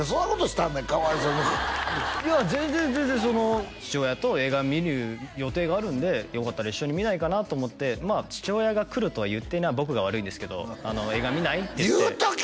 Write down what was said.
たんねんかわいそうにいや全然全然父親と映画見る予定があるんでよかったら一緒に見ないかなと思ってまあ父親が来るとは言っていない僕が悪いんですけど映画見ない？って言って言うとけ！